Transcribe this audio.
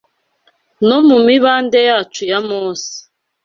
no mu mibande yacu ya mose